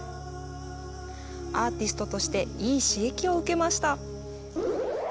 アーティストとしていい刺激を受けました。